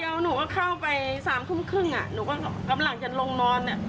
เแล้วหนูก็เข้าไป๓ทุ่มหรือครึ่งกำลังจะลงนอน